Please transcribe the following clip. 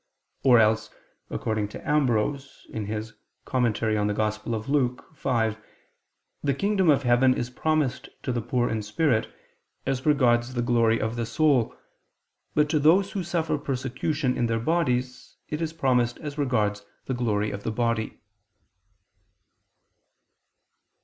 Or else, according to Ambrose (Super Luc. v), the kingdom of heaven is promised to the poor in spirit, as regards the glory of the soul; but to those who suffer persecution in their bodies, it is promised as regards the glory of the body.